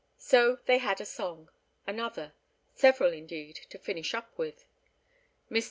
So they had a song, another, several indeed to finish up with. Mr.